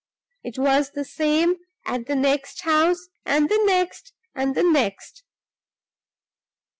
It was just the same at the next house, and the next and the next.